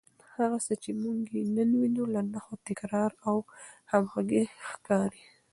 هغه څه چې موږ یې نن وینو، له نښو، تکرار او همغږۍ ښکاري